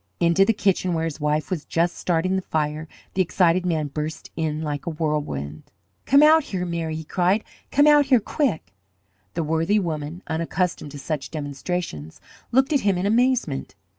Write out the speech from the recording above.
Into the kitchen, where his wife was just starting the fire, the excited man burst like a whirlwind. "Come out here, Mary!" he cried. "Come out here, quick!" The worthy woman, unaccustomed to such demonstrations, looked at him in amazement.